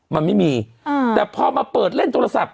มันไม่มีแต่พอมาเปิดเล่นโทรศัพท์